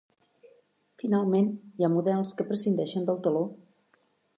Finalment, hi ha models que prescindeixen del taló.